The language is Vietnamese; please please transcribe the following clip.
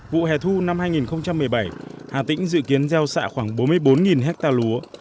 vụ hè thu năm hai nghìn một mươi bảy hà tĩnh dự kiến gieo xạ khoảng bốn mươi bốn hectare lúa